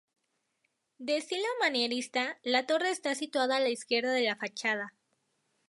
De estilo manierista, la torre está situada a la izquierda de la fachada.